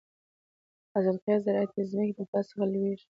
حاصل خېزه زراعتي ځمکې د فصل څخه لوېږي.